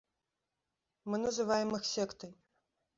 Мы называем іх сектай.